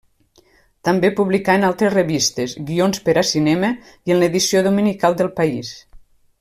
També publicà en altres revistes, guions per a cinema i en l'edició dominical d'El País.